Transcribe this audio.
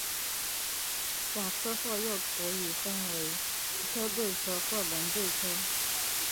假车祸又可以分为车对车或人对车。